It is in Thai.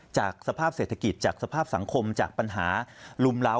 จากสภาพเศรษฐกิจจากสภาพสังคมจากปัญหาลุมล้าว